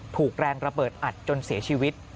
ถูกแรงระเบิดอัดจนเสียชีวิต